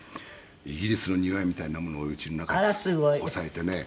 イギリスの庭みたいなものを家の中にこさえてね